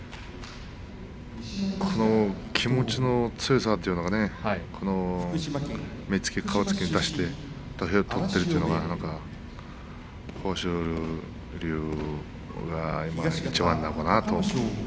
この気持ちの強さというのがね目つき、顔つきに出して土俵を取ってるというのが豊昇龍がいちばんなのかなと。